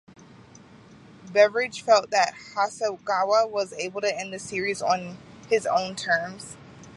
Beveridge felt that Hasegawa was able to end the series on his own terms.